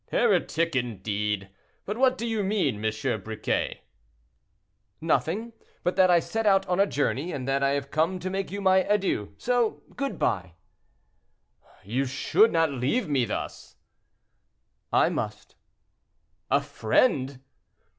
"Heretic, indeed! But what do you mean, M. Briquet?" "Nothing, but that I set out on a journey, and that I have come to make you my adieux; so, good by." "You shall not leave me thus." "I must." "A friend!"